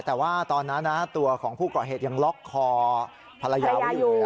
แต่ว่าตอนนั้นตัวของผู้ก่อเหตุยังล็อกคอภรรยาไว้อยู่